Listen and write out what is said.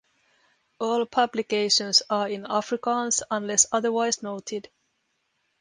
All publications are in Afrikaans unless otherwise noted.